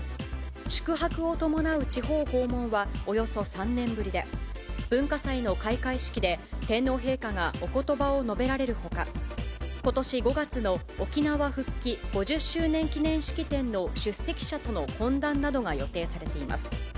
宿泊を伴う地方訪問はおよそ３年ぶりで、文化祭の開会式で、天皇陛下がおことばを述べられるほか、ことし５月の沖縄復帰５０周年記念式典の出席者との懇談などが予定されています。